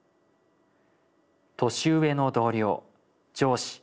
年上の同僚上司